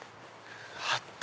あった！